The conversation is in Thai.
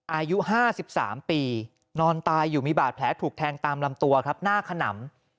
อายุ๕๓ปีนอนตายอยู่มีบาดแผลถูกแทงตามลำตัวครับหน้าขนำ